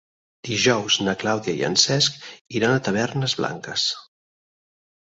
Dijous na Clàudia i en Cesc iran a Tavernes Blanques.